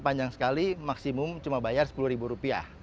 panjang sekali maksimum cuma bayar rp sepuluh